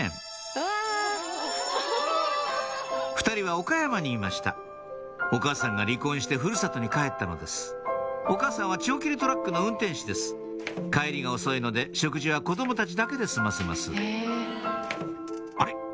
２人は岡山にいましたお母さんが離婚してふるさとに帰ったのですお母さんは長距離トラックの運転手です帰りが遅いので食事は子供たちだけで済ませますあれ！